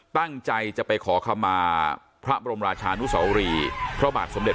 ตั้งใจจะไปขอคำมาพระบรมราชานุสวรีพระบาทสมเด็จ